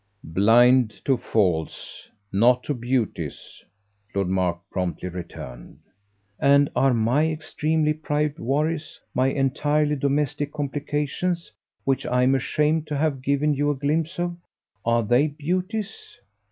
"Blind to faults, not to beauties," Lord Mark promptly returned. "And are my extremely private worries, my entirely domestic complications, which I'm ashamed to have given you a glimpse of are they beauties?"